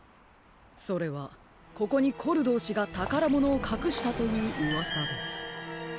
それはここにコルドー氏がたからものをかくしたといううわさです。